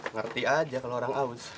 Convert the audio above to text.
ngerti aja kalau orang aus